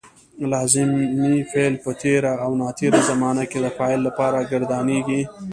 لازمي فعل په تېره او ناتېره زمانه کې د فاعل لپاره ګردانیږي.